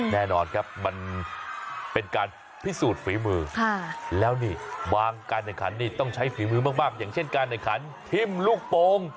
แน่นอนครับมันเป็นการพิสูจน์ฝีมือแล้วนี่บางการแข่งขันนี่ต้องใช้ฝีมือมากอย่างเช่นการแข่งขันทิ้มลูกโป่ง